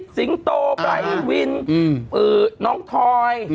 สิงโตไบร์วินน้องทอย